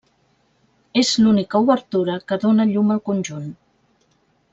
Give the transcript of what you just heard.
És l'única obertura que dóna llum al conjunt.